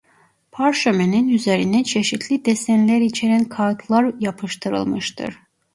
Parşömenin üzerine çeşitli desenler içeren kâğıtlar yapıştırılmıştır.